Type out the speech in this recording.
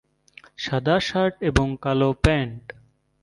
সাদা শার্ট এবং কালো প্যান্ট।